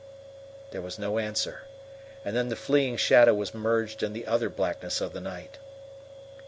There was no answer, and then the fleeing shadow was merged in the other blackness of the night.